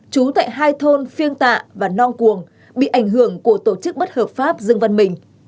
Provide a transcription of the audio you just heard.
trú tại hai thôn phiêng tạ và nong cuồng bị ảnh hưởng của tổ chức bất hợp pháp dương văn mình